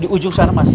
di ujung sana masih